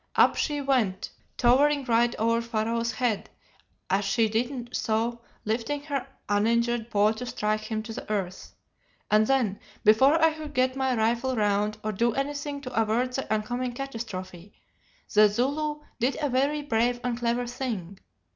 Up she went, towering right over Pharaoh's head, as she did so lifting her uninjured paw to strike him to the earth. And then, before I could get my rifle round or do anything to avert the oncoming catastrophe, the Zulu did a very brave and clever thing.